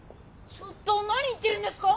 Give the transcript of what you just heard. ちょっと何言ってるんですか？